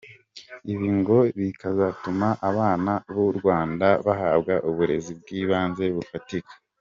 Ibi ngo bikazatuma abana b’u Rwanda bahabwa uburezi bw’ibanze bufatika.